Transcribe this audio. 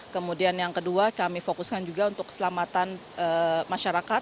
kemudian yang kedua kami fokuskan juga untuk keselamatan masyarakat